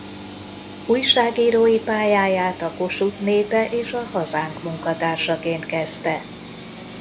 Újságírói pályáját a Kossuth Népe és a Hazánk munkatársaként kezdte.